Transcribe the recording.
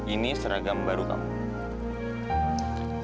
ini seragam baru kamu